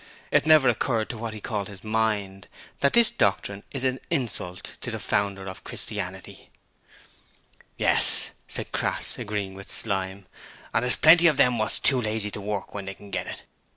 It never occurred to what he called his mind, that this doctrine is an insult to the Founder of Christianity. 'Yes,' said Crass, agreeing with Slyme, 'an' thers plenty of 'em wot's too lazy to work when they can get it.